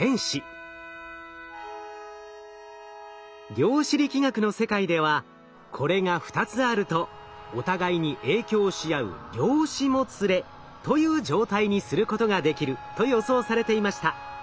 量子力学の世界ではこれが２つあるとお互いに影響し合う量子もつれという状態にすることができると予想されていました。